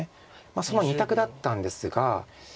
その２択だったんですが。